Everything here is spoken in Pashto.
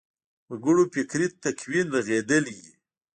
وګړو فکري تکوین رغېدلی وي.